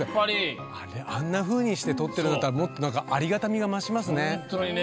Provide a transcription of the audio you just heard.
あんなふうにして取ってるんだったらもっとありがたみが増しますね。